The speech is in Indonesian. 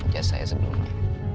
jas saya sebelumnya